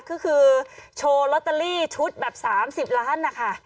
ก็คือโชว์ลอตเตอรี่ชุดแบบ๓๐ล้านนะคะ